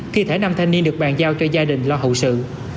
thi thể năm thanh niên được bàn giao cho gia đình lo hậu sự